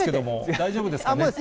大丈夫ですかね？